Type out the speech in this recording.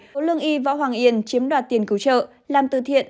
vũ lương y võ hoàng yên chiếm đoạt tiền cứu trợ làm từ thiện